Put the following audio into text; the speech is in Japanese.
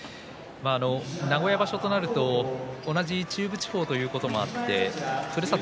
名古屋場所となると同じ中部地方ということもあってふるさと